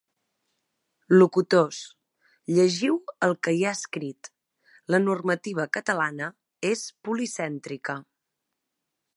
Locutors: llegiu el que hi ha escrit, la normativa catalana és policèntrica.